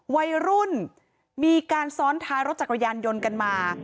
วัยรุ่นมีการซ้อนท้ายรถจักรยานยนต์กันมา